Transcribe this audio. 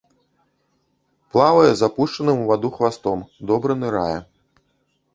Плавае з апушчаным у ваду хвастом, добра нырае.